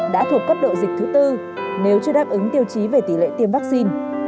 đã thuộc cấp độ dịch thứ tư nếu chưa đáp ứng tiêu chí về tỷ lệ tiêm vaccine